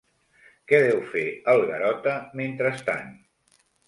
Què deu fer el Garota, mentrestant?